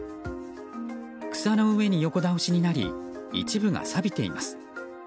草の上に横倒しになり一部がさびています。